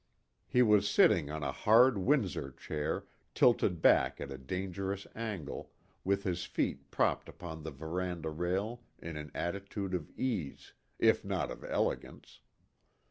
He was sitting on a hard windsor chair, tilted back at a dangerous angle, with his feet propped upon the veranda rail in an attitude of ease, if not of elegance.